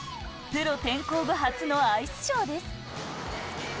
プロ転向後、初のアイスショーです。